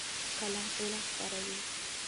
قلم علم خپروي.